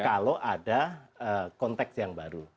kalau ada konteks yang baru